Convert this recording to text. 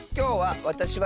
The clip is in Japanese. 「わたしは」。